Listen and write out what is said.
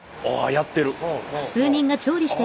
やってる。